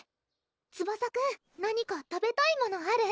ツバサくん何か食べたいものある？